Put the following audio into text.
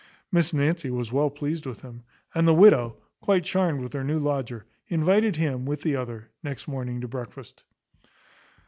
Miss Nancy was well pleased with him; and the widow, quite charmed with her new lodger, invited him, with the other, next morning to breakfast.